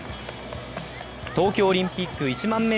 東京オリンピック１００００